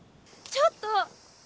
ちょっと！